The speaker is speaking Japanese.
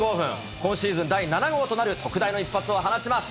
今シーズン、第７号となる特大の一発を放ちます。